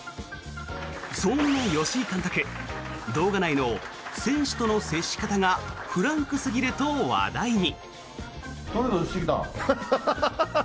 そんな吉井監督動画内の選手との接し方がフランクすぎると話題に。